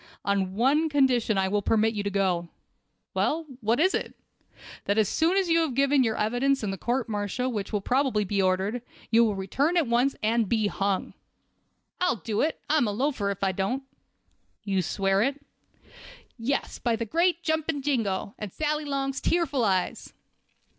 "On one condition I will permit you to go." "Well, what is it?" "That as soon as you have given your evidence in the court martial which will probably be ordered, you will return at once and be hung." "I'll do it; I'm a loafer if I don't." "You swear it?" "Yes, by the great jumping jingo, and Sally Long's tearful eyes!"